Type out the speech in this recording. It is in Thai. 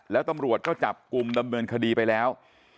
แล้วตำรวจก็จับกลุ่มดำเนินคดีไปแล้ว